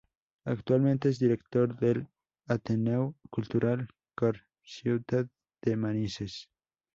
Actualmente es director del Ateneu Cultural Cor Ciutat de Manises.